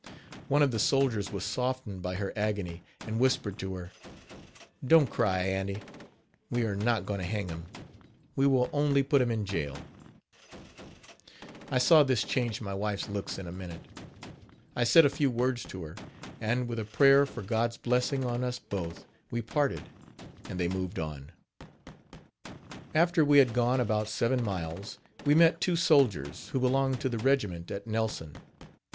One of the soldiers was softened by her agony, and whispered to her: "Don't cry, aunty, we are not going to hang him we will only put him in jail." I saw this changed my wife's looks in a minute. I said a few words to her, and, with a prayer for God's blessing on us both, we parted, and they moved on. After we had gone about seven miles, we met two soldiers, who belonged to the regiment at Nelson.